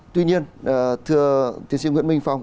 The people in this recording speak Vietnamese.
tuy nhiên thưa tiến sĩ nguyễn minh phong